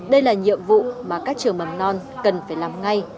đây là nhiệm vụ mà các trường mầm non cần phải làm ngay